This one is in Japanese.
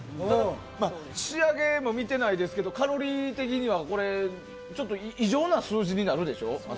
仕上げも見てないですけどカロリー的にはこれ、異常な数字になるでしょ。